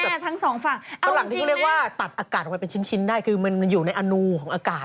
แม่ทั้งสองฝั่งก็หลังจากนี้ก็ได้ว่าตัดอากาศออกไปเป็นชิ้นได้คือมันอยู่ในอนูของอากาศ